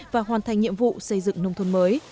và hoàn thành nhiệm vụ xây dựng nông thôn mới